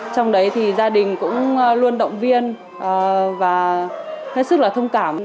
trong đấy thì gia đình cũng luôn động viên và hết sức là thông cảm